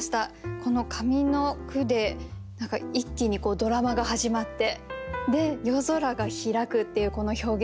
この上の句で何か一気にドラマが始まってで「夜空が開く」っていうこの表現。